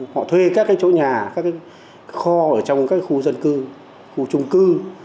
họ thuê các chỗ nhà các kho ở trong các khu dân cư khu trung cư